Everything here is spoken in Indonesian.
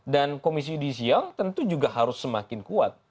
dan komisi yudisiang tentu juga harus semakin kuat